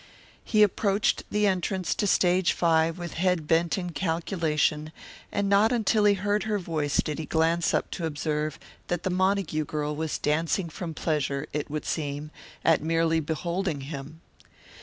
He approached the entrance to Stage Five with head bent in calculation, and not until he heard her voice did he glance up to observe that the Montague girl was dancing from pleasure, it would seem, at merely beholding him.